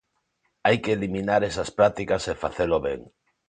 Hai que eliminar esas prácticas e facelo ben.